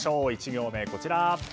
１行目、こちら。